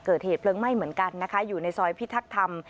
เกิดเหตุเพลิงไหม้เหมือนกันนะคะอยู่ในซอยพิทักษ์ธรรม